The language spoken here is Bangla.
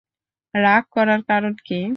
রাগ করার কারণ কী?